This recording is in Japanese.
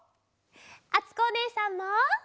あつこおねえさんも！